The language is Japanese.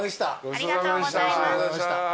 ありがとうございます。